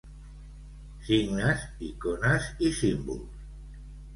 Signes, icones i símbols.